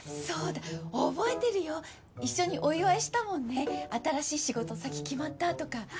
そうだ覚えてるよ一緒にお祝いしたもんね新しい仕事先決まったとか。